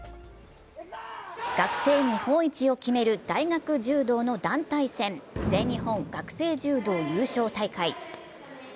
学生日本一を決める大学柔道の団体戦、全日本学生柔道優勝大会。